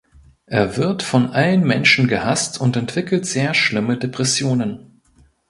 Er wird von allen Menschen gehasst und entwickelt sehr schlimme Depressionen.